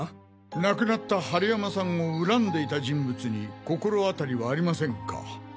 亡くなった春山さんを恨んでいた人物に心当たりはありませんか？